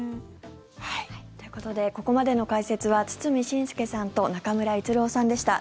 ということでここまでの解説は堤伸輔さんと中村逸郎さんでした。